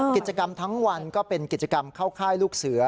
กิจกรรมทั้งวันก็เป็นกิจกรรมเข้าค่ายลูกเสือ